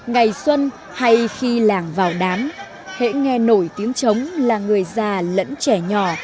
ngày xuân hay khi làng vào đám hãy nghe nổi tiếng chống là người già lẫn trẻ nhỏ